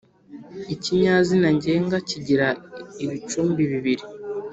ikinyazina ngenga kigira ibicumbi bibiri :